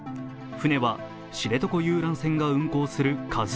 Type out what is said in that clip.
船は知床遊覧船が運航する「ＫＡＺＵⅠ」。